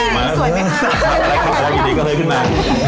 อย่างนี้ก็เลยขึ้นมา